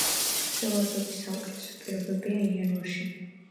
ხილვადობის საუკეთესო პირობებია იანვარში.